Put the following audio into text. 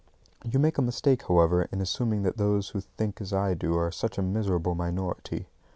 You make a mistake, however, in assuming that those who think as I do are such a miserable minority.